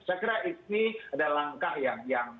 saya kira ini adalah langkah yang